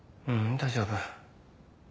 大丈夫。